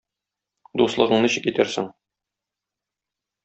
Дуслыгың ничек итәрсең?